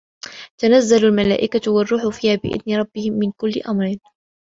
تَنَزَّلُ المَلائِكَةُ وَالرّوحُ فيها بِإِذنِ رَبِّهِم مِن كُلِّ أَمرٍ